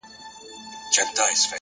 انسان د خپل کردار استازی دی.!